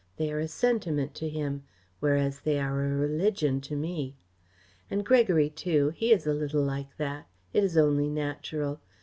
They are a sentiment to him, whereas they are a religion to me. And Gregory too he is a little like that. It is only natural.